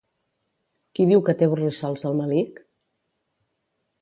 Qui diu que té borrissols al melic?